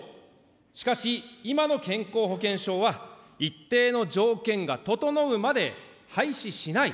しかし今の健康保険証は一定の条件が整うまで廃止しない。